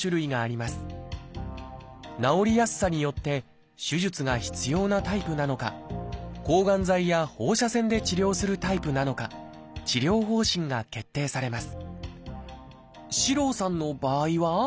治りやすさによって手術が必要なタイプなのか抗がん剤や放射線で治療するタイプなのか治療方針が決定されます。